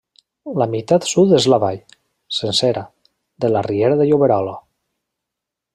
La meitat sud és la vall, sencera, de la Riera de Lloberola.